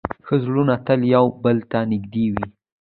ښه زړونه تل یو بل ته نږدې وي.